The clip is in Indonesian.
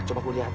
coba aku lihat